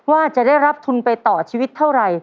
ว่าจะได้รับทุนไปต่อชีวิตเท่าไหร่